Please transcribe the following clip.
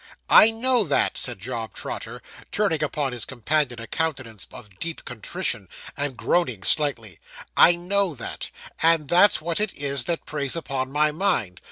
'I know that,' said Job Trotter, turning upon his companion a countenance of deep contrition, and groaning slightly, 'I know that, and that's what it is that preys upon my mind.